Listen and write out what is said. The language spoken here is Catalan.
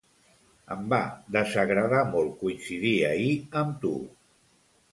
Em va desagradar molt coincidir ahir amb tu!